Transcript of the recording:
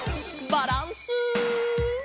バランス。